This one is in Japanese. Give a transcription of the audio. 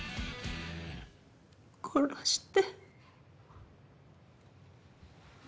殺して。